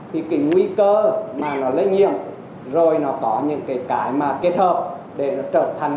thì cái nguy cơ mà nó lây nhiễm rồi nó có những cái mà kết hợp để nó trở thành